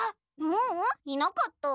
ううんいなかった。